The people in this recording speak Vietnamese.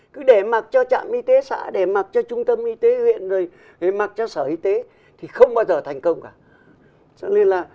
cứ để mặc cho trạm y tế xã để mặc cho trung tâm y tế huyện rồi mặc cho sở y tế thì không bao giờ thành công cả